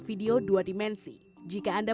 video dua dimensi jika anda